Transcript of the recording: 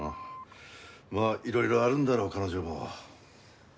まあいろいろあるんだろう彼女も。